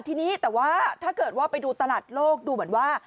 ทีนี้แต่ว่าถ้าเกิดว่าไปดูตลาดโลกดูเหมือนว่า